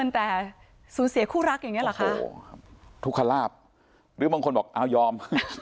ทุกฆาลาภหรือบางคนบอกเอ้ายอม